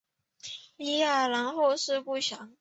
李雅郎后事不详。